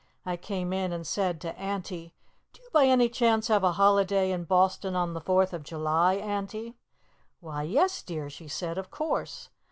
I came in and said to Auntie, 'Do you by any chance have a holiday in Boston on the fourth of July, Auntie?' 'Why, yes, dear,' she said, 'of course.